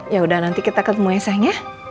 yaudah nanti kita ketemu sayang ya